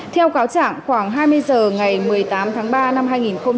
theo cáo trảng khoảng hai mươi giờ ngày một mươi tám tháng ba năm hai nghìn hai mươi một